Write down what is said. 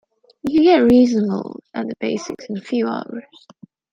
You can get reasonable at the basics in a few hours.